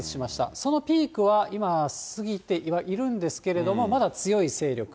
そのピークは今過ぎてはいるんですけれども、まだ強い勢力。